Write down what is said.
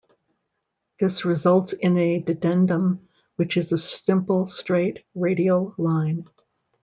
This results in a dedendum which is a simple straight radial line.